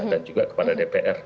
dan juga kepada dpr